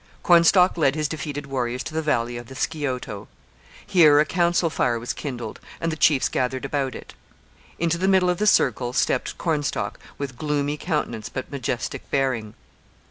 Cornstalk led his defeated warriors to the valley of the Scioto. Here a council fire was kindled and the chiefs gathered about it. Into the middle of the circle stepped Cornstalk with gloomy countenance but majestic bearing.